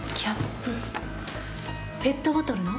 ペットボトルの？